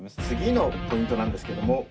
次のポイントなんですけども。